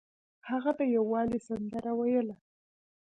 هغه د یووالي سندره ویله.